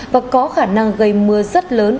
và có khả năng gây mưa rất lớn